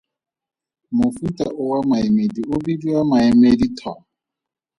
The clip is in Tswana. Mofuta o wa maemedi o bidiwa maemeditho.